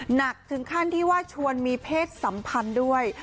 หนักถึงขั้นที่ว่าชวนมีเพศสัมพันธ์ด้วย